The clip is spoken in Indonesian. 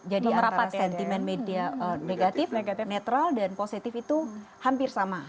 jadi antara sentimen media negatif netral dan positif itu hampir sama